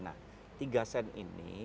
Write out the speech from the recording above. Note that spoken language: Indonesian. nah tiga sen ini